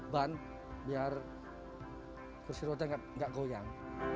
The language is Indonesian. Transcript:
ban biar kursi roda nggak goyang